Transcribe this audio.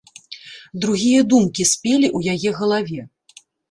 Другія думкі спелі ў яе галаве.